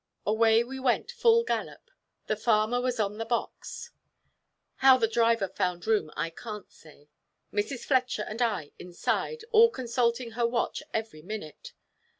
Away we went full gallop; the farmer was on the box, how the driver found room I can't say, Mrs. Fletcher and I inside, all consulting her watch every minute.